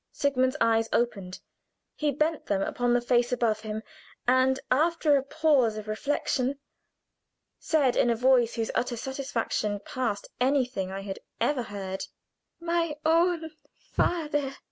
Sigmund's eyes opened. He bent them upon the face above him, and after a pause of reflection, said, in a voice whose utter satisfaction passed anything I had ever heard: "My own father!"